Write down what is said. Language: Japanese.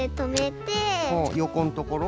よこんところ？